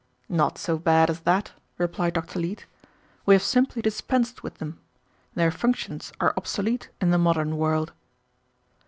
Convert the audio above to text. "Not so bad as that," replied Dr. Leete. "We have simply dispensed with them. Their functions are obsolete in the modern world."